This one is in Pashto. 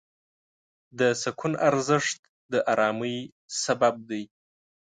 د سکون ارزښت د آرامۍ سبب دی.